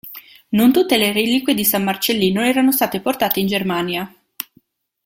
Non tutte le reliquie di San Marcellino erano state portate in Germania.